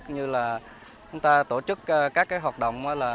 như là chúng ta tổ chức các hoạt động